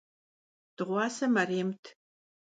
Dığuase merêmt.